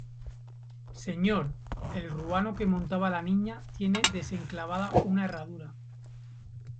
señor, el ruano que montaba la Niña tiene desenclavada una herradura...